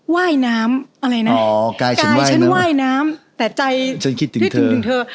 ว่ายน้ำอะไรนะอ๋อกายฉันว่ายน้ำแต่ใจฉันคิดถึงเธอ